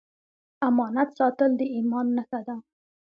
امانت ساتل د ایمان نښه ده.